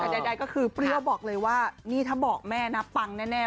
แต่ใดก็คือเปรี้ยวบอกเลยว่านี่ถ้าบอกแม่นะปังแน่